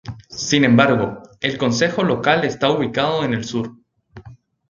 Sin embargo, el consejo local está ubicado en el sur.